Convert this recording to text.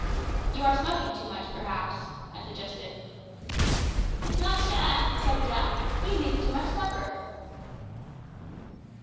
"You are smoking too much, perhaps," I suggested. "It's not that," cried Jack; "he has eaten too much supper."